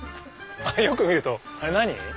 よく見るとあれ何？